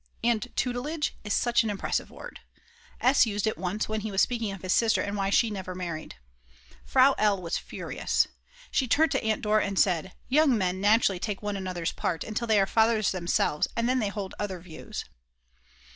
And tutelage is such an impressive word, S. used it once when he was speaking of his sister and why she had never married. Frau L. was furious. She turned to Aunt Dora and said: "Young men naturally take one another's part, until they are fathers themselves and then they hold other views."